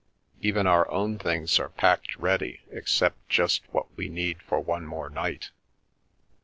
Even our own things are packed ready except just what we need for one more night.